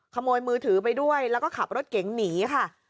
มือถือไปด้วยแล้วก็ขับรถเก๋งหนีค่ะ